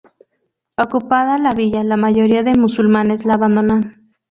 Ocupada la villa, la mayoría de musulmanes la abandonan.